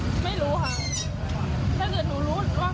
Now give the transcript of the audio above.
ถ้าเกิดหนูรู้ว่าเขาจะมาทำแบบนี้หนูก็ไม่มาค่ะ